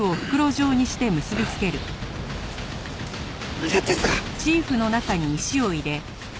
何やってんすか！？